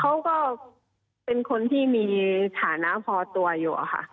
เขาก็เป็นคนที่มีฐานะพอตัวอยู่อะค่ะ